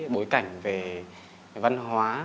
bối cảnh về văn hóa